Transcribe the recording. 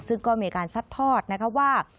ซึ่งก็มีการซัดทอดนะคะว่า